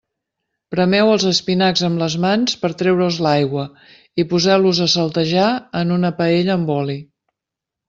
Premeu els espinacs amb les mans per a treure'ls l'aigua i poseu-los a saltejar en una paella amb oli.